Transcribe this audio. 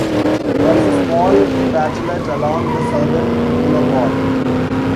There is a small craterlet along the southern inner wall.